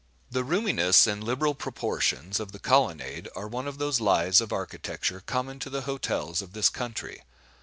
The roominess and liberal proportions of the Colonnade are one of those lies of architecture common to the hotels of this country.